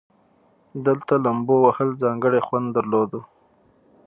دلته لومبو وهل ځانګړى خوند درلودو.